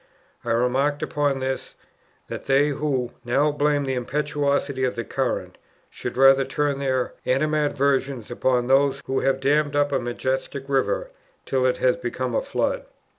I remarked upon this, that they who "now blame the impetuosity of the current, should rather turn their animadversions upon those who have dammed up a majestic river, till it has become a flood."